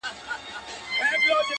له ناكامه يې ويل پرې تحسينونه،